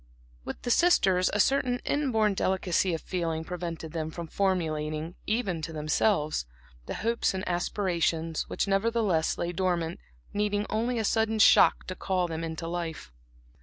With the sisters a certain inborn delicacy of feeling prevented them from formulating, even to themselves, those hopes and aspirations which, nevertheless, lay dormant, needing only a sudden shock to call them into life.